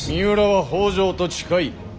三浦は北条と近い。